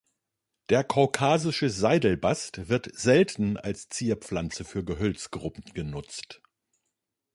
Der Kaukasische Seidelbast wird selten als Zierpflanze für Gehölzgruppen genutzt.